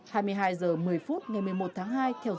hai mươi hai h một mươi phút ngày một mươi một tháng hai